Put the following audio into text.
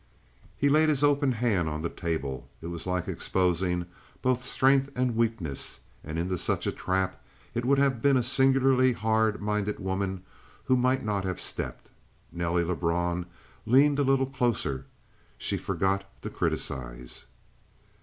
He laid his open hand on the table. It was like exposing both strength and weakness; and into such a trap it would have been a singularly hard minded woman who might not have stepped. Nelly Lebrun leaned a little closer. She forgot to criticize.